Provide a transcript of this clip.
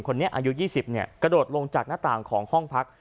อายุ๒๐กระโดดลงจากหน้าต่างของห้องพัก